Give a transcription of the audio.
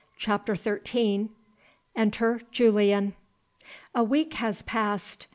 CHAPTER XIII. ENTER JULIAN. A WEEK has passed.